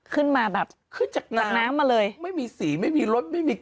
ขึ้นมาแบบขึ้นจากน้ำมาเลยขึ้นจากน้ำไม่มีสีไม่มีรสไม่มีกลิ่น